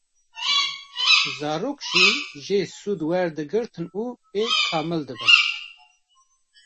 Zarok jî jê sûd werdigirtin û pê kamildibin.